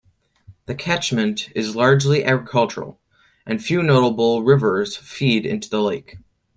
The catchment is largely agricultural, and few notable rivers feed into the lake.